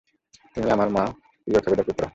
তুমি আমার মা ইওখেভেদের পুত্র।